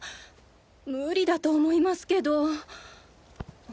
無理だと思いますけど。